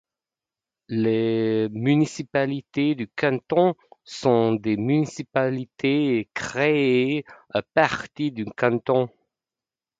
Les municipalités de canton sont des municipalités créées à partir d'un canton.